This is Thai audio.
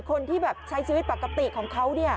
คนที่ใช้ชีวิตปกติของเขา